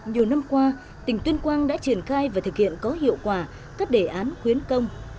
nhiều năm qua tỉnh tuyên quang đã triển khai và thực hiện có hiệu quả các đề án khuyến công